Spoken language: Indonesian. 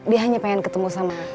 dia hanya pengen ketemu sama